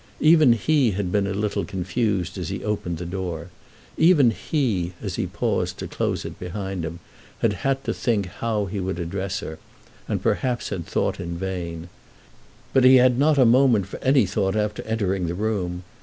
Even he had been a little confused as he opened the door, even he, as he paused to close it behind him, had had to think how he would address her, and perhaps had thought in vain. But he had not a moment for any thought after entering the room.